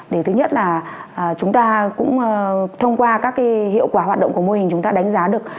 đó là chúng ta cũng thông qua các hiệu quả hoạt động của mô hình chúng ta đánh giá được